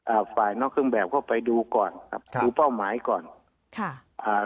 อ่าฝ่ายนอกเครื่องแบบก็ไปดูก่อนครับดูเป้าหมายก่อนค่ะอ่า